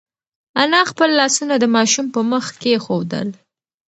انا خپل لاسونه د ماشوم په مخ کېښودل.